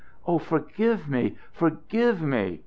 Oh, forgive me! forgive me!"